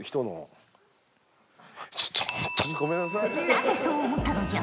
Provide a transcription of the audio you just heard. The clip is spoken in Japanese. なぜそう思ったのじゃ？